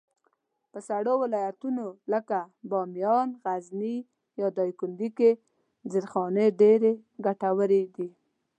په سړو ولایتونو لکه بامیان، غزني، یا دایکنډي کي زېرخانې ډېرې ګټورې دي.